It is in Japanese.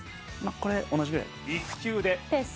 これ同じぐらいペース